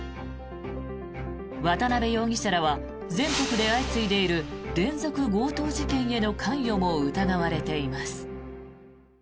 渡邉容疑者らは全国で相次いでいる連続強盗事件への関与も疑われています。